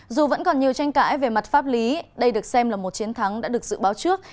dù vẫn còn nhiều tranh cãi về mặt pháp lý đây được xem là một chiến thắng đã được dự báo trước